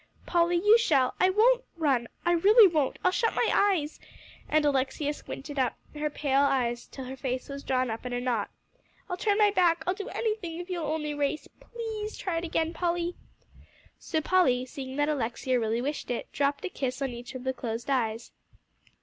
"Polly, you shall; I won't run I really won't; I'll shut my eyes," and Alexia squinted up her pale eyes till her face was drawn up in a knot. "I'll turn my back, I'll do anything if you'll only race; please try it again, Polly." So Polly, seeing that Alexia really wished it, dropped a kiss on each of the closed eyes.